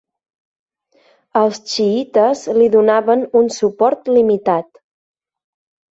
Els xiïtes li donaven un suport limitat.